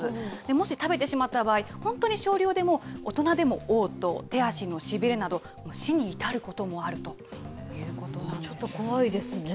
もし食べてしまった場合、本当に少量でも、大人でもおう吐、手足のしびれなど、死に至ることもあちょっと怖いですね。